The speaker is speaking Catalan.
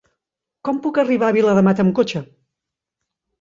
Com puc arribar a Viladamat amb cotxe?